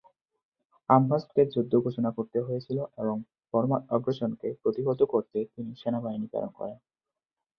আমহার্স্টকে যুদ্ধ ঘোষণা করতে হয়েছিল এবং বার্মার আগ্রাসনকে প্রতিহত করতে তিনি সৈন্যবাহিনী প্রেরণ করেন।